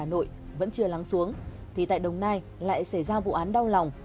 hà nội vẫn chưa lắng xuống thì tại đồng nai lại xảy ra vụ án đau lòng